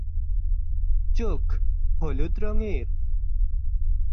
চোখ হলুদ রঙের।